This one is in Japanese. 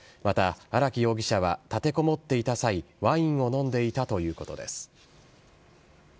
また、荒木容疑者は立てこもっていた際、ワインを飲んでいたということです。